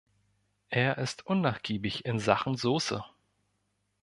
Er ist unnachgiebig in Sachen Soße.